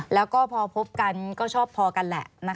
แล้วก็พอพบกันก็ชอบพอกันแหละ